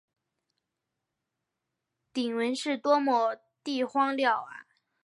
鼎文是多么地荒谬啊！